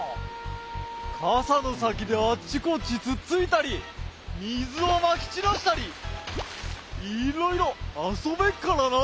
かさのさきであっちこっちつっついたりみずをまきちらしたりいろいろあそべっからな。